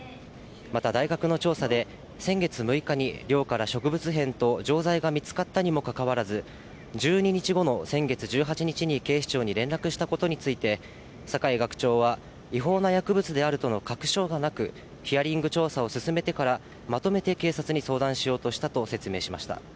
また大学の調査で、先月６日に寮から植物片と錠剤が見つかったにもかかわらず、１２日後の先月１８日に警視庁に連絡したことについて、酒井学長は、違法な薬物であるとの確証がなく、ヒアリング調査を進めてから、まとめて警察に相談しようとしたと説明しました。